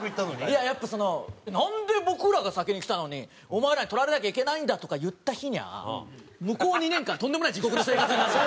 いややっぱその「なんで僕らが先に来たのにお前らに取られなきゃいけないんだ」とか言った日にゃ向こう２年間とんでもない地獄の生活になるんで。